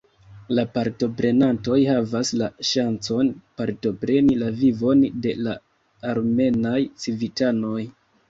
La partoprenantoj havas la ŝancon partopreni la vivon de la armenaj civitanoj.